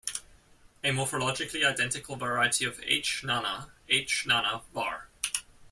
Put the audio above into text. A morphologically-identical variety of "H. nana", "H. nana" var.